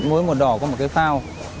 mỗi một đò có một cái phao